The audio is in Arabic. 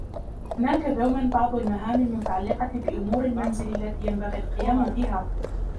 هناك دوما بعض المهام المتعلقة بامور المنزل التي ينبغي القيام بها.